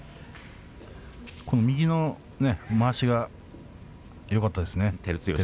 右のまわしがよかったですね、照強。